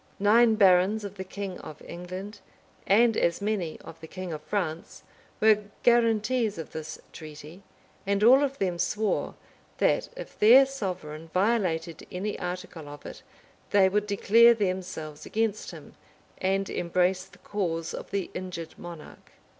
Nine barons of the king of England, and as many of the king of France, were guaranties of this treaty; and all of them swore, that, if their sovereign violated any article of it, they would declare themselves against him, and embrace the cause of the injured monarch.